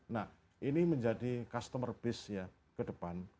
nah ini menjadi customer base ya ke depan